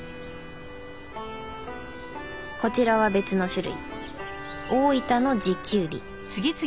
こちらは別の種類。